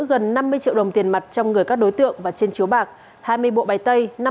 gần năm mươi triệu đồng tiền mặt trong người các đối tượng và trên chiếu bạc hai mươi bộ bài tay